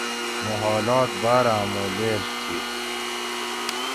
موں حالات باۤر آۤمو لیڷ تھی